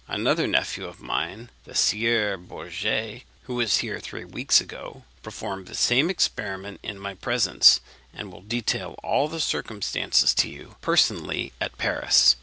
Another nephew of mine, the Sieur Bourget, who was here three weeks ago, performed the same experiment in my presence, and will detail all the circumstances to you personally at Paris.